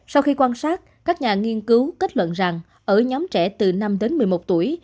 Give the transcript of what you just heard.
sau khi quan sát các nhà nghiên cứu kết luận rằng ở nhóm trẻ từ năm đến một mươi một tuổi